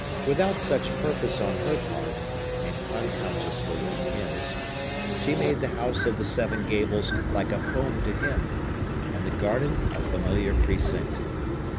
Without such purpose on her part, and unconsciously on his, she made the House of the Seven Gables like a home to him, and the garden a familiar precinct.